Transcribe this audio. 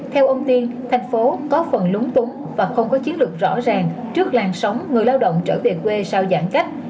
theo ông tiên thành phố có phần lúng túng và không có chiến lược rõ ràng trước làn sóng người lao động trở về quê sau giãn cách